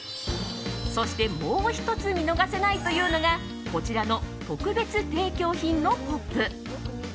そして、もう１つ見逃せないというのがこちらの特別提供品のポップ。